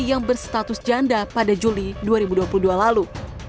yang berstatus janda pada juli dua ribu dua puluh dua lalu